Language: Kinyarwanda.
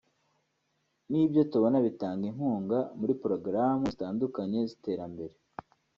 nibyo tubona bitanga inkunga muri porogaramu zitandukanye z’iterambere